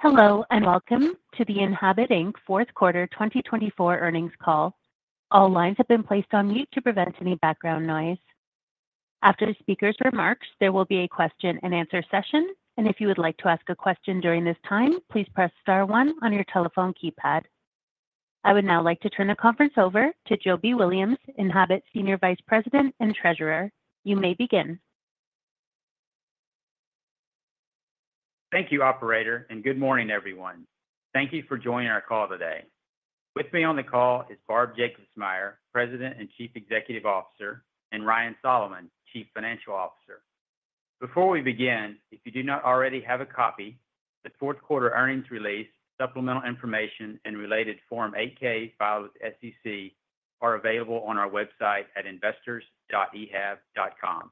Hello, and welcome to the Enhabit Fourth Quarter 2024 Earnings Call. All lines have been placed on mute to prevent any background noise. After the speaker's remarks, there will be a question-and-answer session, and if you would like to ask a question during this time, please press star one on your telephone keypad. I would now like to turn the conference over to Jobie Williams, Enhabit Senior Vice President and Treasurer. You may begin. Thank you, Operator, and good morning, everyone. Thank you for joining our call today. With me on the call is Barb Jacobsmeyer, President and Chief Executive Officer, and Ryan Solomon, Chief Financial Officer. Before we begin, if you do not already have a copy, the fourth quarter earnings release, supplemental information, and related Form 8-K filed with the SEC are available on our website at investors.ehab.com.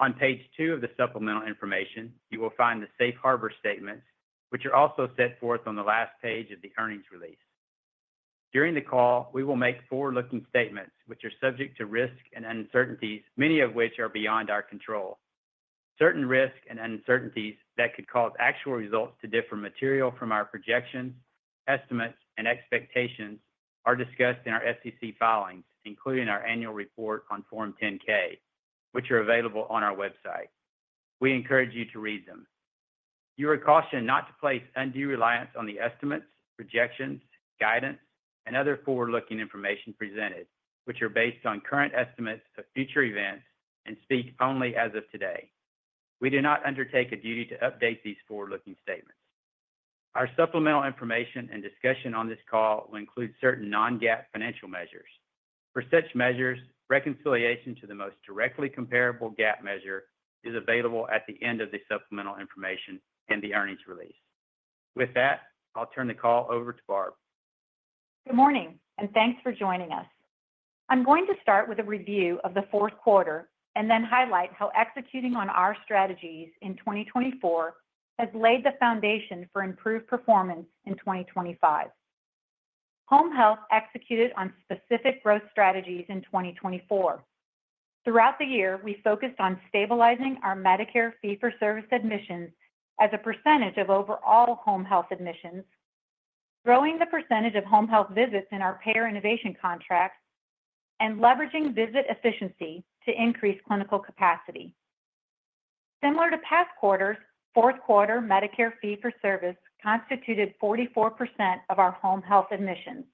On page two of the supplemental information, you will find the safe harbor statements, which are also set forth on the last page of the earnings release. During the call, we will make forward-looking statements, which are subject to risk and uncertainties, many of which are beyond our control. Certain risks and uncertainties that could cause actual results to differ materially from our projections, estimates, and expectations are discussed in our SEC filings, including our annual report on Form 10-K, which are available on our website. We encourage you to read them. You are cautioned not to place undue reliance on the estimates, projections, guidance, and other forward-looking information presented, which are based on current estimates of future events and speak only as of today. We do not undertake a duty to update these forward-looking statements. Our supplemental information and discussion on this call will include certain non-GAAP financial measures. For such measures, reconciliation to the most directly comparable GAAP measure is available at the end of the supplemental information and the earnings release. With that, I'll turn the call over to Barb. Good morning, and thanks for joining us. I'm going to start with a review of the fourth quarter and then highlight how executing on our strategies in 2024 has laid the foundation for improved performance in 2025. Home health executed on specific growth strategies in 2024. Throughout the year, we focused on stabilizing our Medicare fee-for-service admissions as a percentage of overall home health admissions, growing the percentage of home health visits in our payer innovation contracts, and leveraging visit efficiency to increase clinical capacity. Similar to past quarters, fourth quarter Medicare fee-for-service constituted 44% of our home health admissions.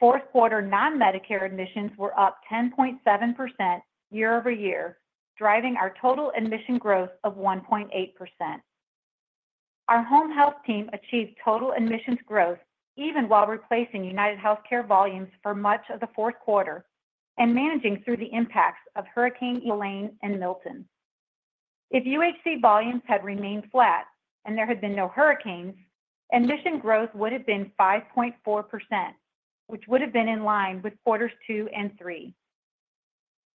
Fourth quarter non-Medicare admissions were up 10.7% year-over-year, driving our total admission growth of 1.8%. Our home health team achieved total admissions growth even while replacing United Health Care volumes for much of the fourth quarter and managing through the impacts of Hurricane Helene and Milton. If UHC volumes had remained flat and there had been no hurricanes, admission growth would have been 5.4%, which would have been in line with quarters two and three.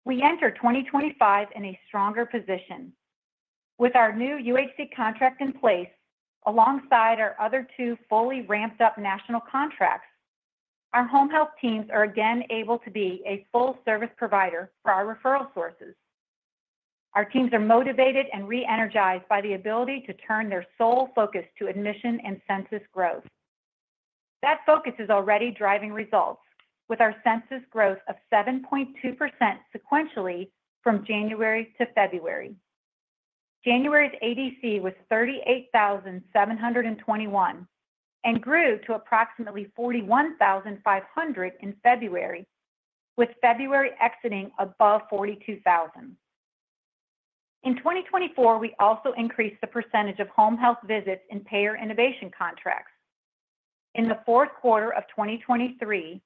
We enter 2025 in a stronger position. With our new UHC contract in place, alongside our other two fully ramped-up national contracts, our home health teams are again able to be a full-service provider for our referral sources. Our teams are motivated and re-energized by the ability to turn their sole focus to admission and census growth. That focus is already driving results, with our census growth of 7.2% sequentially from January to February. January's ADC was 38,721 and grew to approximately 41,500 in February, with February exiting above 42,000. In 2024, we also increased the percentage of home health visits in payer innovation contracts. In the fourth quarter of 2023,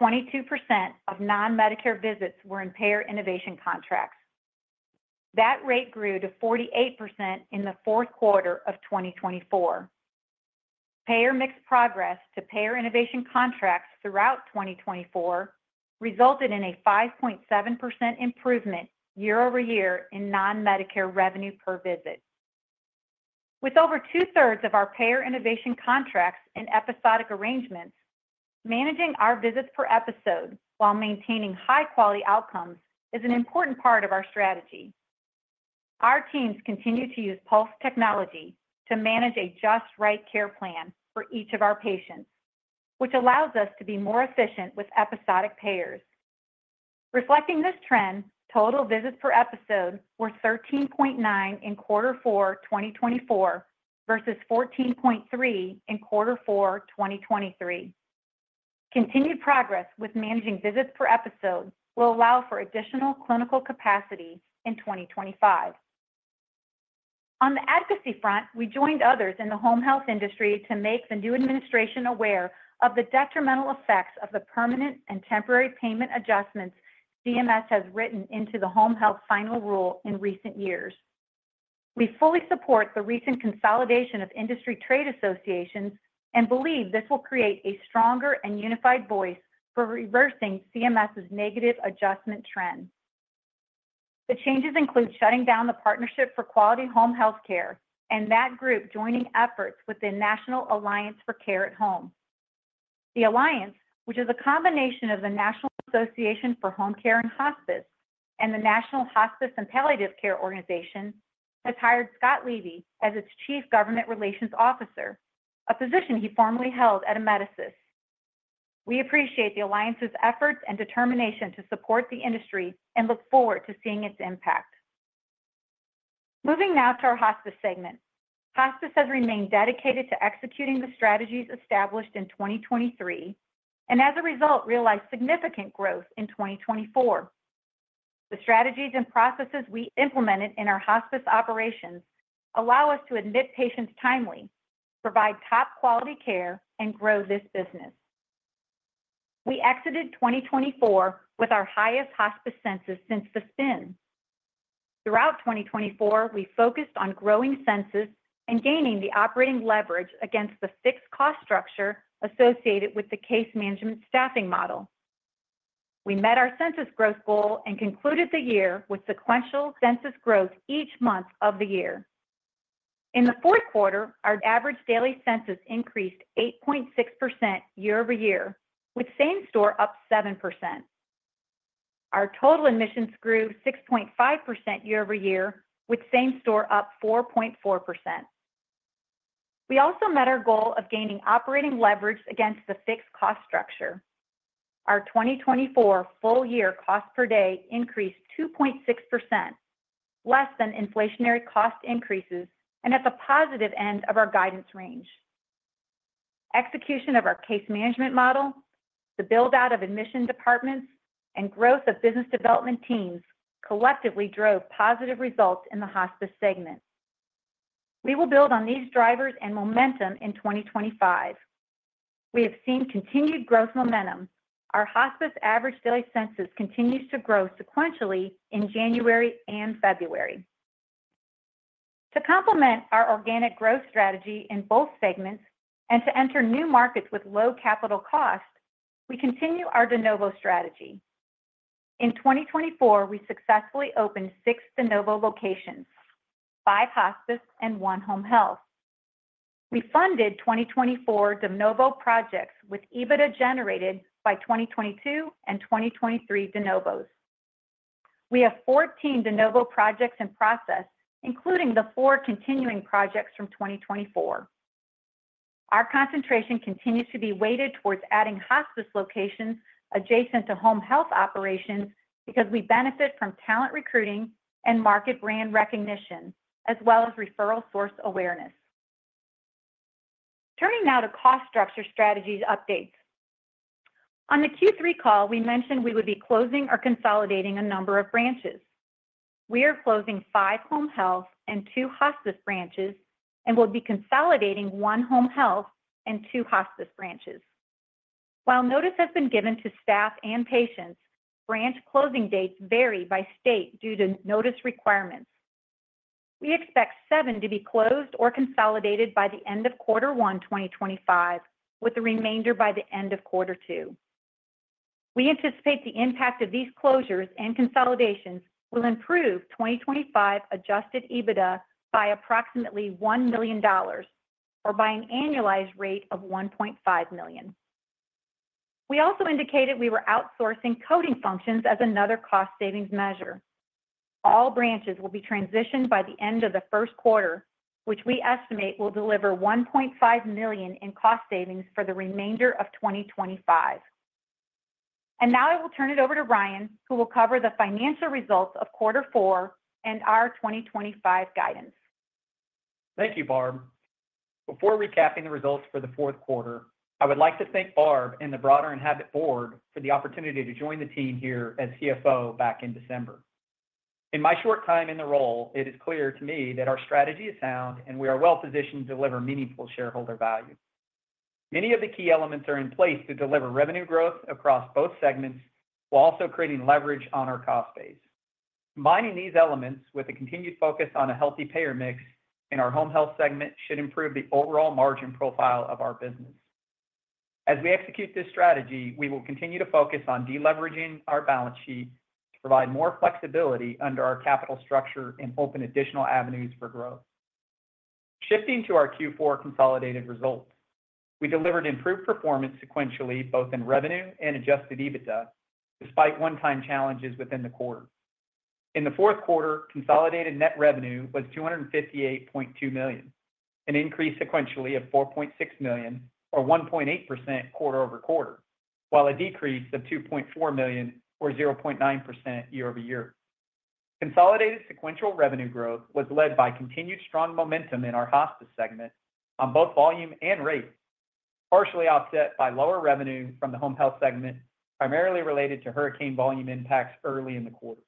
22% of non-Medicare visits were in payer innovation contracts. That rate grew to 48% in the fourth quarter of 2024. Payer mix progress to payer innovation contracts throughout 2024 resulted in a 5.7% improvement year-over-year in non-Medicare revenue per visit. With over two-thirds of our payer innovation contracts in episodic arrangements, managing our visits per episode while maintaining high-quality outcomes is an important part of our strategy. Our teams continue to use Pulse technology to manage a just-right care plan for each of our patients, which allows us to be more efficient with episodic payers. Reflecting this trend, total visits per episode were 13.9 in quarter four, 2024, versus 14.3 in quarter four, 2023. Continued progress with managing visits per episode will allow for additional clinical capacity in 2025. On the advocacy front, we joined others in the home health industry to make the new administration aware of the detrimental effects of the permanent and temporary payment adjustments CMS has written into the home health final rule in recent years. We fully support the recent consolidation of industry trade associations and believe this will create a stronger and unified voice for reversing CMS's negative adjustment trend. The changes include shutting down the Partnership for Quality Home Healthcare and that group joining efforts with the National Alliance for Care at Home. The alliance, which is a combination of the National Association for Home Care and Hospice and the National Hospice and Palliative Care Organization, has hired Scott Levy as its Chief Government Relations Officer, a position he formerly held at Amedisys. We appreciate the alliance's efforts and determination to support the industry and look forward to seeing its impact. Moving now to our hospice segment, hospice has remained dedicated to executing the strategies established in 2023 and, as a result, realized significant growth in 2024. The strategies and processes we implemented in our hospice operations allow us to admit patients timely, provide top-quality care, and grow this business. We exited 2024 with our highest hospice census since the spin. Throughout 2024, we focused on growing census and gaining the operating leverage against the fixed cost structure associated with the case management staffing model. We met our census growth goal and concluded the year with sequential census growth each month of the year. In the fourth quarter, our average daily census increased 8.6% year-over-year, with same store up 7%. Our total admissions grew 6.5% year-over-year, with same store up 4.4%. We also met our goal of gaining operating leverage against the fixed cost structure. Our 2024 full-year cost per day increased 2.6%, less than inflationary cost increases, and at the positive end of our guidance range. Execution of our case management model, the build-out of admission departments, and growth of business development teams collectively drove positive results in the hospice segment. We will build on these drivers and momentum in 2025. We have seen continued growth momentum. Our hospice average daily census continues to grow sequentially in January and February. To complement our organic growth strategy in both segments and to enter new markets with low capital cost, we continue our De Novo strategy. In 2024, we successfully opened six De Novo locations, five hospice and one home health. We funded 2024 De Novo projects with EBITDA generated by 2022 and 2023 De Novos. We have 14 De Novo projects in process, including the four continuing projects from 2024. Our concentration continues to be weighted towards adding hospice locations adjacent to home health operations because we benefit from talent recruiting and market brand recognition, as well as referral source awareness. Turning now to cost structure strategies updates. On the Q3 call, we mentioned we would be closing or consolidating a number of branches. We are closing five home health and two hospice branches and will be consolidating one home health and two hospice branches. While notice has been given to staff and patients, branch closing dates vary by state due to notice requirements. We expect seven to be closed or consolidated by the end of quarter one 2025, with the remainder by the end of quarter two. We anticipate the impact of these closures and consolidations will improve 2025 adjusted EBITDA by approximately $1 million or by an annualized rate of $1.5 million. We also indicated we were outsourcing coding functions as another cost savings measure. All branches will be transitioned by the end of the first quarter, which we estimate will deliver $1.5 million in cost savings for the remainder of 2025. I will turn it over to Ryan, who will cover the financial results of quarter four and our 2025 guidance. Thank you, Barb. Before recapping the results for the fourth quarter, I would like to thank Barb and the broader Enhabit Board for the opportunity to join the team here as CFO back in December. In my short time in the role, it is clear to me that our strategy is sound and we are well positioned to deliver meaningful shareholder value. Many of the key elements are in place to deliver revenue growth across both segments while also creating leverage on our cost base. Combining these elements with a continued focus on a healthy payer mix in our home health segment should improve the overall margin profile of our business. As we execute this strategy, we will continue to focus on deleveraging our balance sheet to provide more flexibility under our capital structure and open additional avenues for growth. Shifting to our Q4 consolidated results, we delivered improved performance sequentially both in revenue and adjusted EBITDA, despite one-time challenges within the quarter. In the fourth quarter, consolidated net revenue was $258.2 million, an increase sequentially of $4.6 million or 1.8% quarter over quarter, while a decrease of $2.4 million or 0.9% year-over-year. Consolidated sequential revenue growth was led by continued strong momentum in our hospice segment on both volume and rate, partially offset by lower revenue from the home health segment, primarily related to hurricane volume impacts early in the quarter.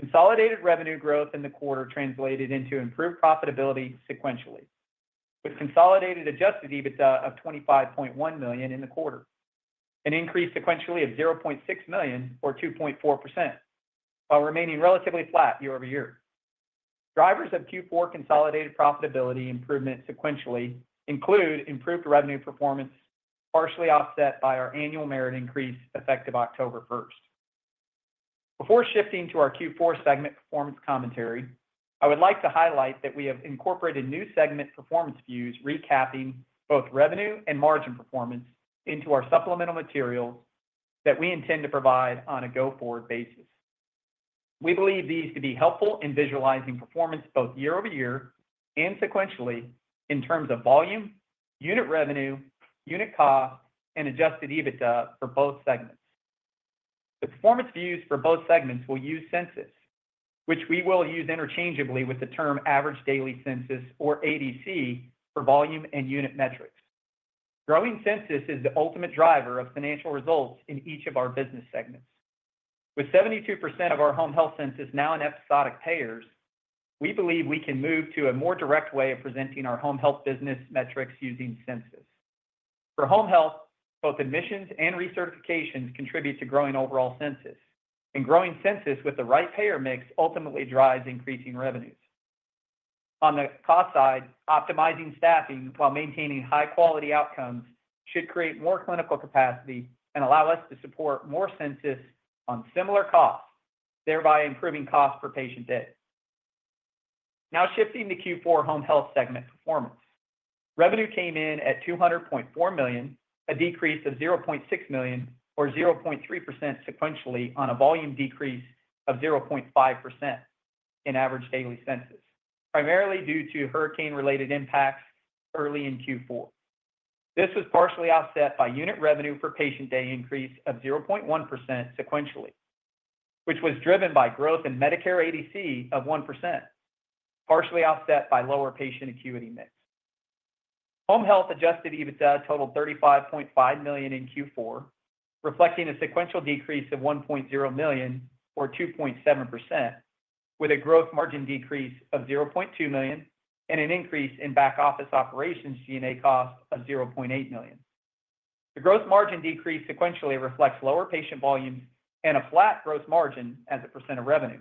Consolidated revenue growth in the quarter translated into improved profitability sequentially, with consolidated adjusted EBITDA of $25.1 million in the quarter, an increase sequentially of $0.6 million or 2.4%, while remaining relatively flat year-over-year. Drivers of Q4 consolidated profitability improvement sequentially include improved revenue performance, partially offset by our annual merit increase effective October 1. Before shifting to our Q4 segment performance commentary, I would like to highlight that we have incorporated new segment performance views recapping both revenue and margin performance into our supplemental materials that we intend to provide on a go-forward basis. We believe these to be helpful in visualizing performance both year-over-year and sequentially in terms of volume, unit revenue, unit cost, and adjusted EBITDA for both segments. The performance views for both segments will use census, which we will use interchangeably with the term average daily census or ADC for volume and unit metrics. Growing census is the ultimate driver of financial results in each of our business segments. With 72% of our home health census now in episodic payers, we believe we can move to a more direct way of presenting our home health business metrics using census. For home health, both admissions and recertifications contribute to growing overall census, and growing census with the right payer mix ultimately drives increasing revenues. On the cost side, optimizing staffing while maintaining high-quality outcomes should create more clinical capacity and allow us to support more census on similar costs, thereby improving cost per patient day. Now shifting to Q4 home health segment performance. Revenue came in at $200.4 million, a decrease of $0.6 million or 0.3% sequentially on a volume decrease of 0.5% in average daily census, primarily due to hurricane-related impacts early in Q4. This was partially offset by unit revenue per patient day increase of 0.1% sequentially, which was driven by growth in Medicare ADC of 1%, partially offset by lower patient acuity mix. Home health adjusted EBITDA totaled $35.5 million in Q4, reflecting a sequential decrease of $1.0 million or 2.7%, with a growth margin decrease of $0.2 million and an increase in back office operations G&A cost of $0.8 million. The growth margin decrease sequentially reflects lower patient volumes and a flat growth margin as a percent of revenue.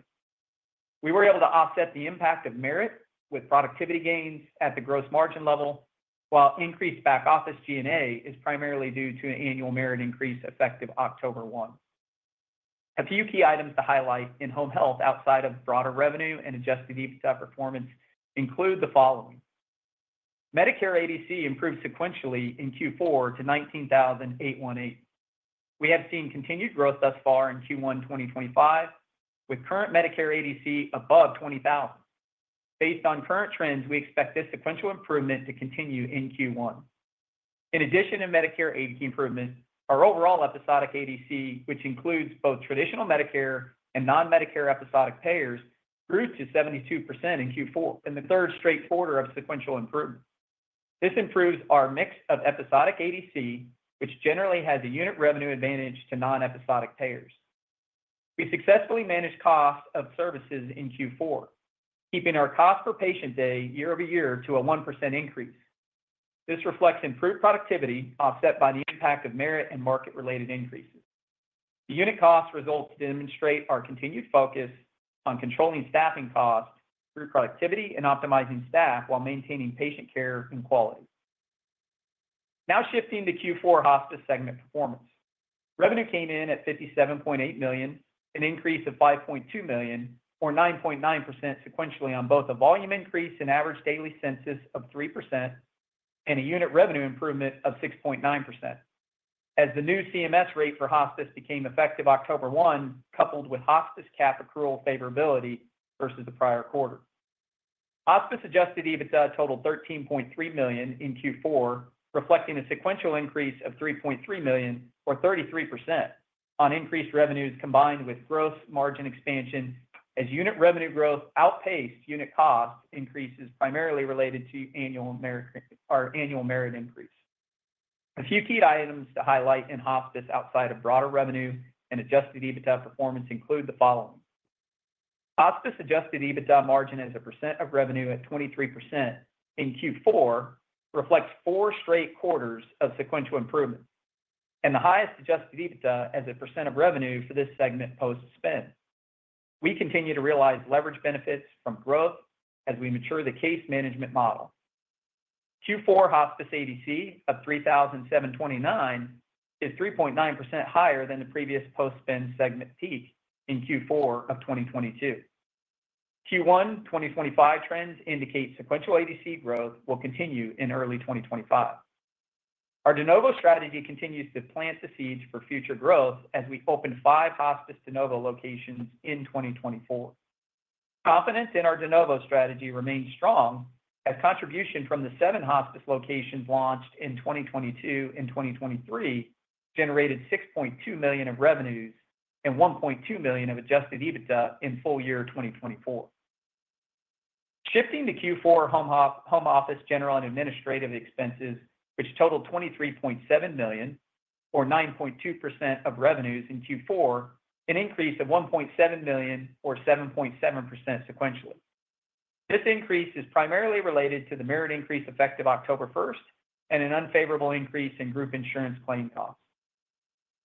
We were able to offset the impact of merit with productivity gains at the growth margin level, while increased back office G&A is primarily due to an annual merit increase effective October 1. A few key items to highlight in home health outside of broader revenue and adjusted EBITDA performance include the following. Medicare ADC improved sequentially in Q4 to 19,818. We have seen continued growth thus far in Q1 2025, with current Medicare ADC above 20,000. Based on current trends, we expect this sequential improvement to continue in Q1. In addition to Medicare ADC improvement, our overall episodic ADC, which includes both traditional Medicare and non-Medicare episodic payers, grew to 72% in Q4, in the third straight quarter of sequential improvement. This improves our mix of episodic ADC, which generally has a unit revenue advantage to non-episodic payers. We successfully managed cost of services in Q4, keeping our cost per patient day year-over-year to a 1% increase. This reflects improved productivity offset by the impact of merit and market-related increases. The unit cost results demonstrate our continued focus on controlling staffing cost through productivity and optimizing staff while maintaining patient care and quality. Now shifting to Q4 hospice segment performance. Revenue came in at $57.8 million, an increase of $5.2 million or 9.9% sequentially on both a volume increase in average daily census of 3% and a unit revenue improvement of 6.9%, as the new CMS rate for hospice became effective October 1, coupled with hospice cap accrual favorability versus the prior quarter. Hospice adjusted EBITDA totaled $13.3 million in Q4, reflecting a sequential increase of $3.3 million or 33% on increased revenues combined with gross margin expansion as unit revenue growth outpaced unit cost increases primarily related to annual merit increase. A few key items to highlight in hospice outside of broader revenue and adjusted EBITDA performance include the following. Hospice adjusted EBITDA margin as a percent of revenue at 23% in Q4 reflects four straight quarters of sequential improvement and the highest adjusted EBITDA as a percent of revenue for this segment post-spin. We continue to realize leverage benefits from growth as we mature the case management model. Q4 hospice ADC of 3,729 is 3.9% higher than the previous post-spin segment peak in Q4 of 2022. Q1 2025 trends indicate sequential ADC growth will continue in early 2025. Our De Novo strategy continues to plant the seeds for future growth as we open five hospice De Novo locations in 2024. Confidence in our De Novo strategy remains strong as contribution from the seven hospice locations launched in 2022 and 2023 generated $6.2 million of revenues and $1.2 million of adjusted EBITDA in full year 2024. Shifting to Q4 home office general and administrative expenses, which totaled $23.7 million or 9.2% of revenues in Q4, an increase of $1.7 million or 7.7% sequentially. This increase is primarily related to the merit increase effective October 1 and an unfavorable increase in group insurance claim costs.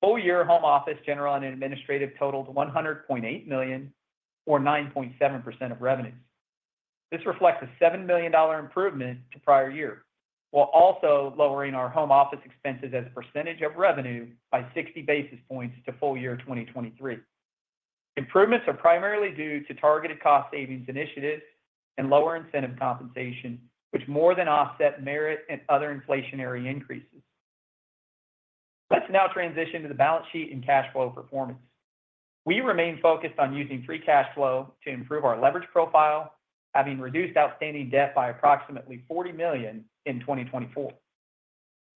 Full year home office general and administrative totaled $100.8 million or 9.7% of revenues. This reflects a $7 million improvement to prior year, while also lowering our home office expenses as a percentage of revenue by 60 basis points to full year 2023. Improvements are primarily due to targeted cost savings initiatives and lower incentive compensation, which more than offset merit and other inflationary increases. Let's now transition to the balance sheet and cash flow performance. We remain focused on using free cash flow to improve our leverage profile, having reduced outstanding debt by approximately $40 million in 2024.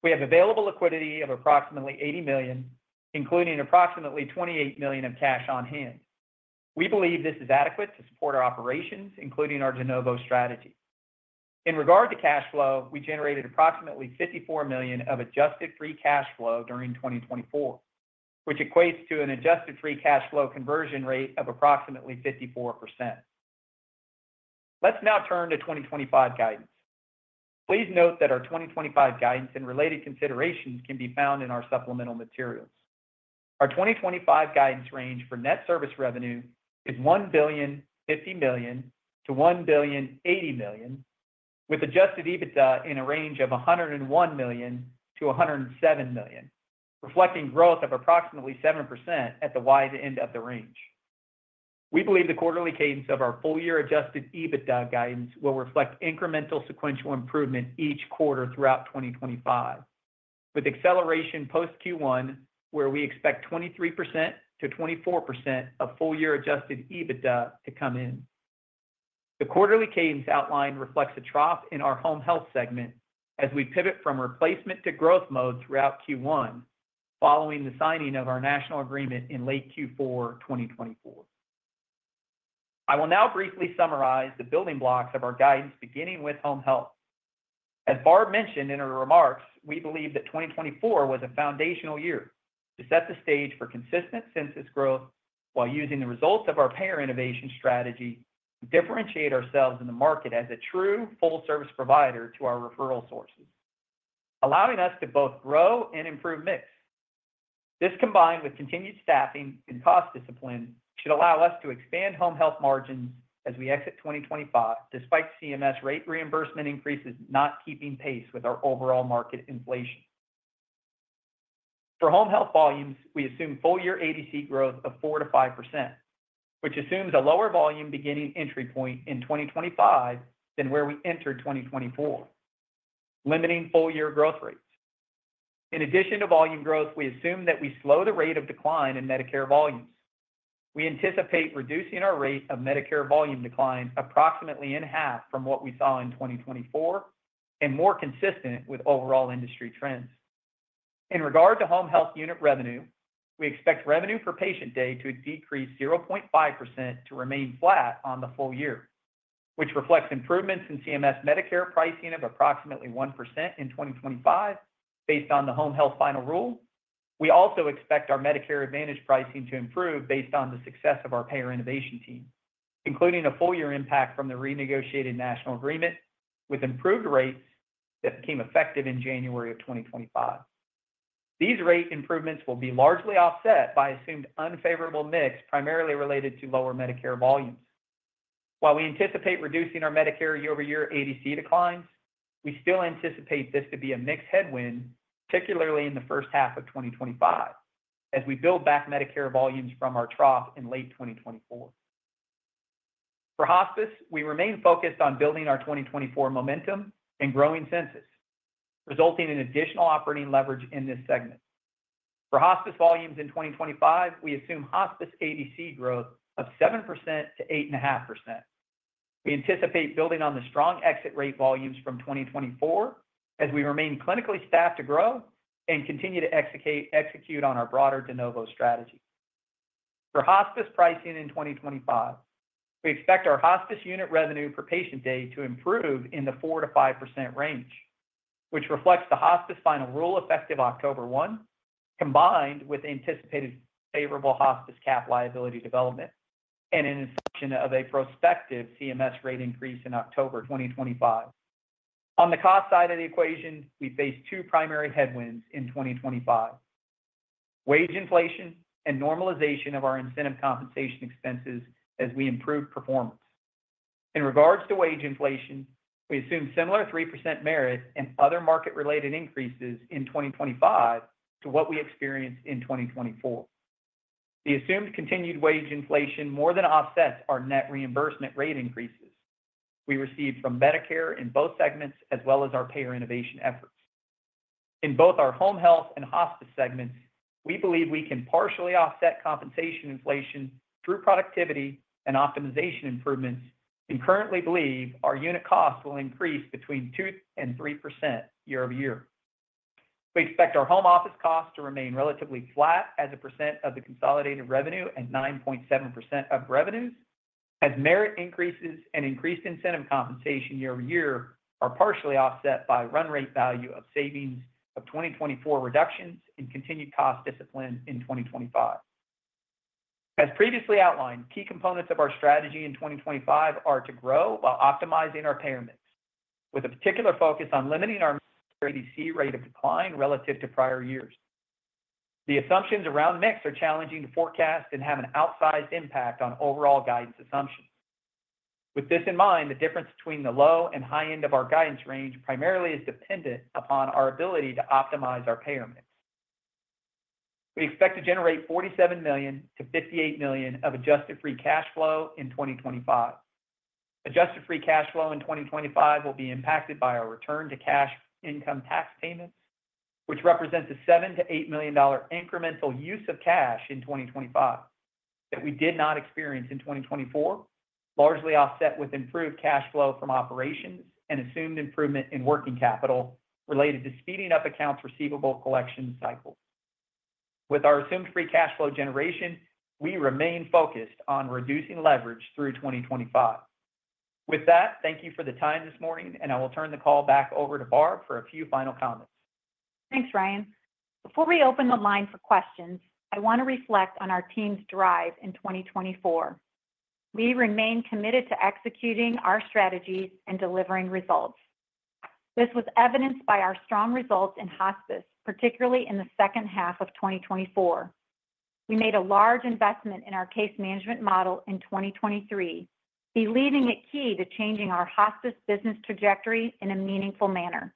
We have available liquidity of approximately $80 million, including approximately $28 million of cash on hand. We believe this is adequate to support our operations, including our De Novo strategy. In regard to cash flow, we generated approximately $54 million of adjusted free cash flow during 2024, which equates to an adjusted free cash flow conversion rate of approximately 54%. Let's now turn to 2025 guidance. Please note that our 2025 guidance and related considerations can be found in our supplemental materials. Our 2025 guidance range for net service revenue is $1,050,000,000-$1,080,000,000, with adjusted EBITDA in a range of $101 million-$107 million, reflecting growth of approximately 7% at the wide end of the range. We believe the quarterly cadence of our full year adjusted EBITDA guidance will reflect incremental sequential improvement each quarter throughout 2025, with acceleration post-Q1, where we expect 23%-24% of full year adjusted EBITDA to come in. The quarterly cadence outline reflects a trough in our home health segment as we pivot from replacement to growth mode throughout Q1, following the signing of our national agreement in late Q4 2024. I will now briefly summarize the building blocks of our guidance, beginning with home health. As Barb mentioned in her remarks, we believe that 2024 was a foundational year to set the stage for consistent census growth while using the results of our payer innovation strategy to differentiate ourselves in the market as a true full-service provider to our referral sources, allowing us to both grow and improve mix. This, combined with continued staffing and cost discipline, should allow us to expand home health margins as we exit 2025, despite CMS rate reimbursement increases not keeping pace with our overall market inflation. For home health volumes, we assume full year ADC growth of 4%-5%, which assumes a lower volume beginning entry point in 2025 than where we entered 2024, limiting full year growth rates. In addition to volume growth, we assume that we slow the rate of decline in Medicare volumes. We anticipate reducing our rate of Medicare volume decline approximately in half from what we saw in 2024 and more consistent with overall industry trends. In regard to home health unit revenue, we expect revenue per patient day to decrease 0.5% to remain flat on the full year, which reflects improvements in CMS Medicare pricing of approximately 1% in 2025 based on the home health final rule. We also expect our Medicare Advantage pricing to improve based on the success of our payer innovation team, including a full year impact from the renegotiated national agreement with improved rates that became effective in January of 2025. These rate improvements will be largely offset by assumed unfavorable mix, primarily related to lower Medicare volumes. While we anticipate reducing our Medicare year-over-year ADC declines, we still anticipate this to be a mixed headwind, particularly in the first half of 2025, as we build back Medicare volumes from our trough in late 2024. For hospice, we remain focused on building our 2024 momentum and growing census, resulting in additional operating leverage in this segment. For hospice volumes in 2025, we assume hospice ADC growth of 7%-8.5%. We anticipate building on the strong exit rate volumes from 2024 as we remain clinically staffed to grow and continue to execute on our broader De Novo strategy. For hospice pricing in 2025, we expect our hospice unit revenue per patient day to improve in the 4%-5% range, which reflects the hospice final rule effective October 1, combined with anticipated favorable hospice cap liability development and an inflection of a prospective CMS rate increase in October 2025. On the cost side of the equation, we face two primary headwinds in 2025: wage inflation and normalization of our incentive compensation expenses as we improve performance. In regards to wage inflation, we assume similar 3% merit and other market-related increases in 2025 to what we experienced in 2024. The assumed continued wage inflation more than offsets our net reimbursement rate increases we received from Medicare in both segments, as well as our payer innovation efforts. In both our home health and hospice segments, we believe we can partially offset compensation inflation through productivity and optimization improvements and currently believe our unit cost will increase between 2% and 3% year-over-year. We expect our home office cost to remain relatively flat as a percent of the consolidated revenue at 9.7% of revenues, as merit increases and increased incentive compensation year-over-year are partially offset by run rate value of savings of 2024 reductions and continued cost discipline in 2025. As previously outlined, key components of our strategy in 2025 are to grow while optimizing our payer mix, with a particular focus on limiting our ADC rate of decline relative to prior years. The assumptions around the mix are challenging to forecast and have an outsized impact on overall guidance assumptions. With this in mind, the difference between the low and high end of our guidance range primarily is dependent upon our ability to optimize our payer mix. We expect to generate $47 million-$58 million of adjusted free cash flow in 2025. Adjusted free cash flow in 2025 will be impacted by our return to cash income tax payments, which represents a $7 million-$8 million incremental use of cash in 2025 that we did not experience in 2024, largely offset with improved cash flow from operations and assumed improvement in working capital related to speeding up accounts receivable collection cycles. With our assumed free cash flow generation, we remain focused on reducing leverage through 2025. With that, thank you for the time this morning, and I will turn the call back over to Barb for a few final comments. Thanks, Ryan. Before we open the line for questions, I want to reflect on our team's drive in 2024. We remain committed to executing our strategies and delivering results. This was evidenced by our strong results in hospice, particularly in the second half of 2024. We made a large investment in our case management model in 2023, believing it key to changing our hospice business trajectory in a meaningful manner.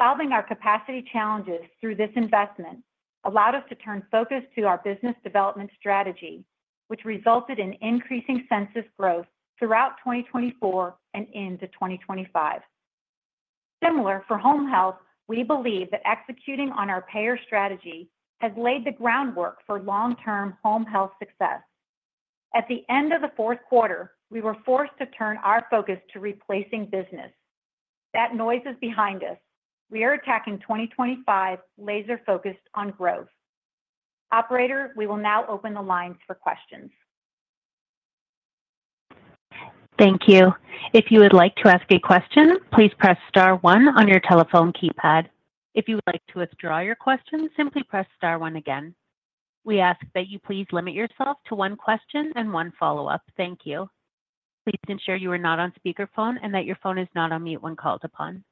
Solving our capacity challenges through this investment allowed us to turn focus to our business development strategy, which resulted in increasing census growth throughout 2024 and into 2025. Similarly, for home health, we believe that executing on our payer strategy has laid the groundwork for long-term home health success. At the end of the fourth quarter, we were forced to turn our focus to replacing business. That noise is behind us. We are attacking 2025 laser-focused on growth. Operator, we will now open the lines for questions. Thank you. If you would like to ask a question, please press star one on your telephone keypad. If you would like to withdraw your question, simply press star one again. We ask that you please limit yourself to one question and one follow-up. Thank you. Please ensure you are not on speakerphone and that your phone is not on mute when called upon.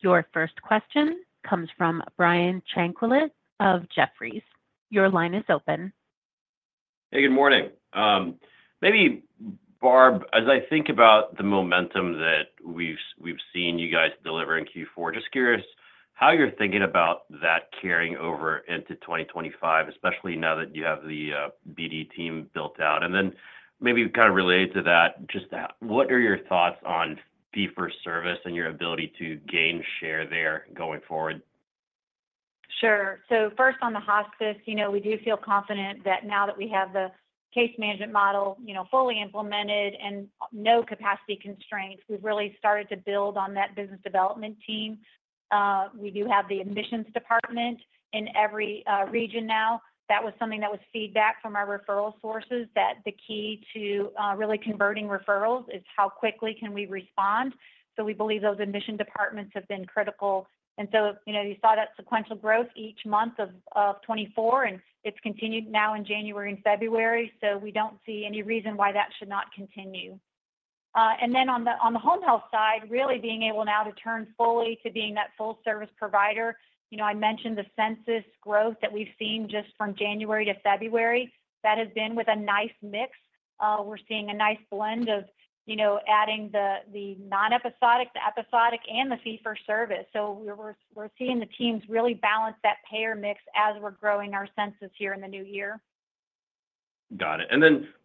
Your first question comes from Brian Tanquilut of Jefferies. Your line is open. Hey, good morning. Maybe, Barb, as I think about the momentum that we've seen you guys deliver in Q4, just curious how you're thinking about that carrying over into 2025, especially now that you have the BD team built out. Maybe kind of related to that, just what are your thoughts on fee-for-service and your ability to gain share there going forward? Sure. First, on the hospice, we do feel confident that now that we have the case management model fully implemented and no capacity constraints, we've really started to build on that business development team. We do have the admissions department in every region now. That was something that was feedback from our referral sources that the key to really converting referrals is how quickly can we respond. We believe those admission departments have been critical. You saw that sequential growth each month of 2024, and it has continued now in January and February. We do not see any reason why that should not continue. On the home health side, really being able now to turn fully to being that full-service provider. I mentioned the census growth that we have seen just from January to February. That has been with a nice mix. We are seeing a nice blend of adding the non-episodic, the episodic, and the fee-for-service. We are seeing the teams really balance that payer mix as we are growing our census here in the new year. Got it.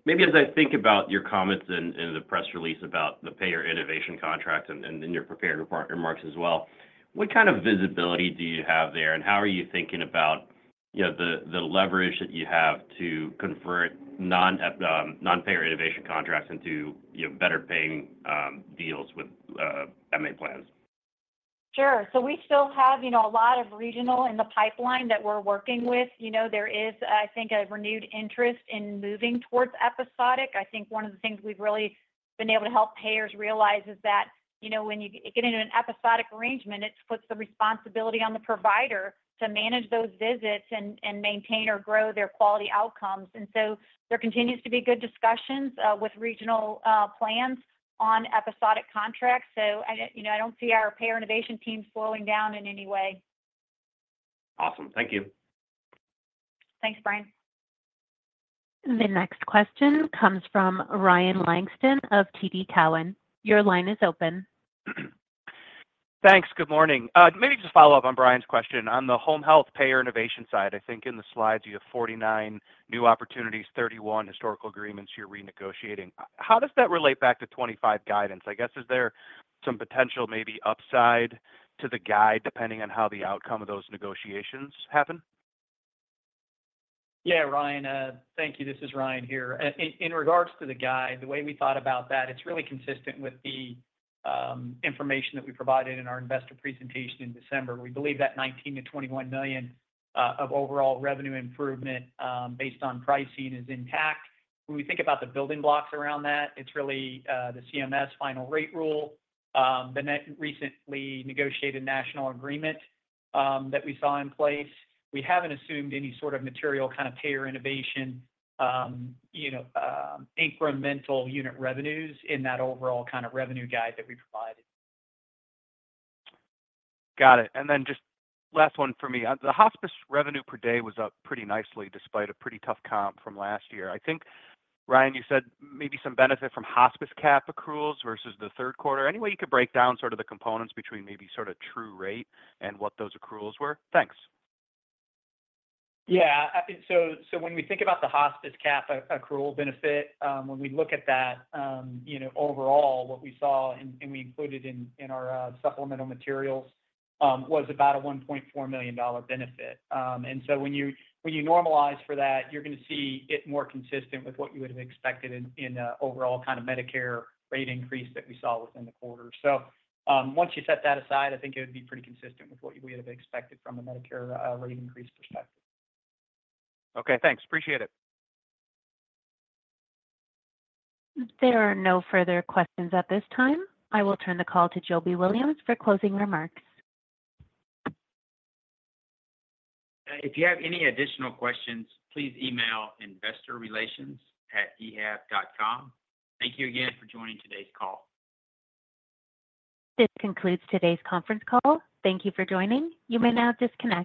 Maybe as I think about your comments in the press release about the payer innovation contract and then your prepared remarks as well, what kind of visibility do you have there? How are you thinking about the leverage that you have to convert non-payer innovation contracts into better paying deals with MA plans? Sure. We still have a lot of regional in the pipeline that we're working with. There is, I think, a renewed interest in moving towards episodic. I think one of the things we've really been able to help payers realize is that when you get into an episodic arrangement, it puts the responsibility on the provider to manage those visits and maintain or grow their quality outcomes. There continues to be good discussions with regional plans on episodic contracts. I don't see our payer innovation team slowing down in any way. Awesome. Thank you. Thanks, Brian. The next question comes from Ryan Langston of TD Cowen. Your line is open. Thanks. Good morning. Maybe just follow up on Brian's question. On the home health payer innovation side, I think in the slides you have 49 new opportunities, 31 historical agreements you're renegotiating. How does that relate back to 2025 guidance? I guess is there some potential maybe upside to the guide depending on how the outcome of those negotiations happen? Yeah, Ryan, thank you. This is Ryan here. In regards to the guide, the way we thought about that, it's really consistent with the information that we provided in our investor presentation in December. We believe that $19 million-$21 million of overall revenue improvement based on pricing is intact. When we think about the building blocks around that, it's really the CMS final rate rule, the recently negotiated national agreement that we saw in place. We haven't assumed any sort of material kind of payer innovation incremental unit revenues in that overall kind of revenue guide that we provided. Got it. And then just last one for me. The hospice revenue per day was up pretty nicely despite a pretty tough comp from last year. I think, Ryan, you said maybe some benefit from hospice cap accruals versus the third quarter. Any way you could break down sort of the components between maybe sort of true rate and what those accruals were? Thanks. Yeah. So when we think about the hospice cap accrual benefit, when we look at that, overall, what we saw and we included in our supplemental materials was about a $1.4 million benefit. And so when you normalize for that, you're going to see it more consistent with what you would have expected in overall kind of Medicare rate increase that we saw within the quarter. Once you set that aside, I think it would be pretty consistent with what we would have expected from a Medicare rate increase perspective. Okay. Thanks. Appreciate it. If there are no further questions at this time, I will turn the call to Jobie Williams for closing remarks. If you have any additional questions, please email investorrelations@ehab.com. Thank you again for joining today's call. This concludes today's conference call. Thank you for joining. You may now disconnect.